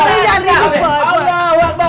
ya allah bangga bangga